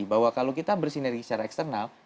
bahwa kalau kita bersinergi secara eksternal